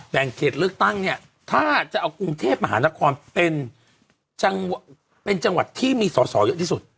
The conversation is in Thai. แบ่งเขตเลือกตั้งเนี่ยถ้าจะเอากรุงเทพหมานครเป็นจังหวัดที่มีส่อเยอะที่สุด